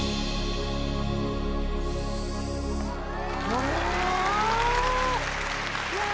お。